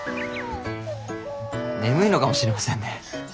眠いのかもしれませんね。